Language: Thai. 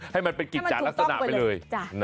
ให้มันเป็นกิจจัดลักษณะไปเลย